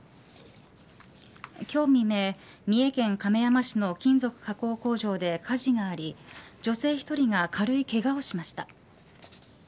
今日未明、三重県亀山市の金属加工工場で火事があり女性１人が軽いけがをしました。